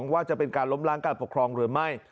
ว่าจะเป็นการล้มล้างการปกครองหรือไม่